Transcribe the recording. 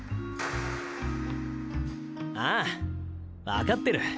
ああ分かってる。